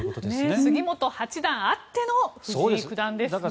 杉本八段あっての藤井九段ですからね。